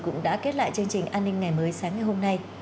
cũng đã kết lại chương trình an ninh ngày mới sáng ngày hôm nay